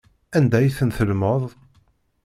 Anda ay ten-tellmeḍ?